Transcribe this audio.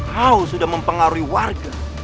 kau sudah mempengaruhi warga